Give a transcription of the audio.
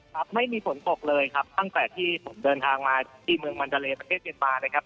ครับไม่มีฝนตกเลยครับตั้งแต่ที่ผมเดินทางมาที่เมืองมันดาเลประเทศเมียนมานะครับ